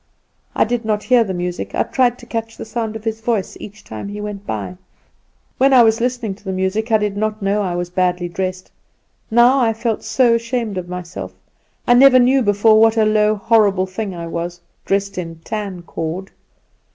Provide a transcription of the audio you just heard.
I did not hear the music; I tried to catch the sound of his voice each time he went by. When I was listening to the music I did not know I was badly dressed; now I felt so ashamed of myself. I never knew before what a low, horrible thing I was, dressed in tancord.